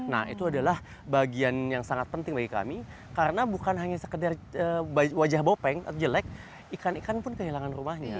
nah itu adalah bagian yang sangat penting bagi kami karena bukan hanya sekedar wajah bopeng jelek ikan ikan pun kehilangan rumahnya